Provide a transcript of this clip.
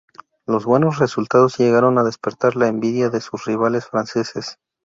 Los buenos resultados llegaron a despertar la envidia de sus rivales franceses.